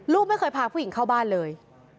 ลูกไม่เคยพาผู้หญิงเข้าบ้านเลย